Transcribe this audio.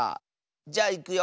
じゃいくよ。